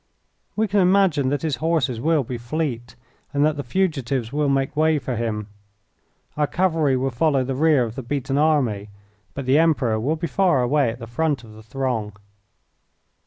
We can imagine that his horses will be fleet, and that the fugitives will make way for him. Our cavalry will follow the rear of the beaten army, but the Emperor will be far away at the front of the throng."